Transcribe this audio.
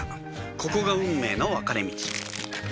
ここが運命の分かれ道